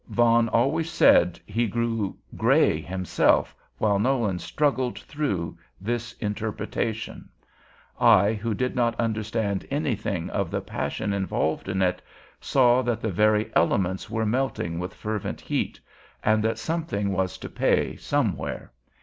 Vaughan always said he grew gray himself while Nolan struggled through this interpretation: I, who did not understand anything of the passion involved in it, saw that the very elements were melting with fervent heat, and that something was to pay somewhere.